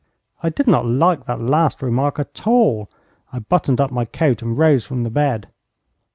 I did not like that last remark at all. I buttoned up my coat and rose from the bed.